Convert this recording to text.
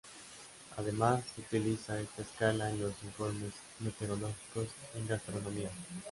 Además, se utiliza esta escala en los informes meteorológicos y en gastronomía.